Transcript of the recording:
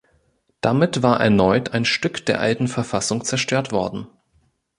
Damit war erneut ein Stück der alten Verfassung zerstört worden.